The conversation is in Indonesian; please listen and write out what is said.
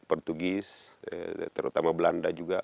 pertugis terutama belanda juga